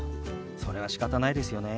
それはしかたないですよね。